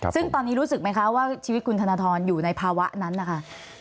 ซึ่งตอนนี้รู้สึกไหมคะว่าชีวิตคุณธนทรอยู่ในภาวะนั้นนะคะ